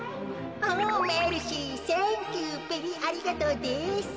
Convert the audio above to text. おメルシーサンキューベリーありがとうです。